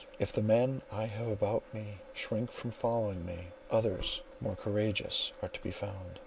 If the men I have about me shrink from following me, others, more courageous, are to be found.